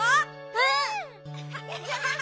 うん！